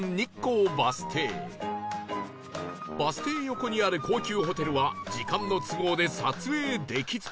バス停横にある高級ホテルは時間の都合で撮影できず